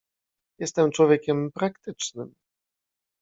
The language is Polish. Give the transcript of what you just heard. "Jestem człowiekiem praktycznym."